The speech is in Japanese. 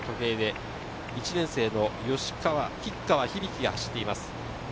１年生の吉川響が走っています。